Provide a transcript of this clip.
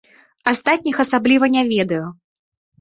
Астатніх асабліва не ведаю.